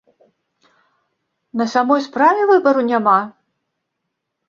На самой справе, выбару няма?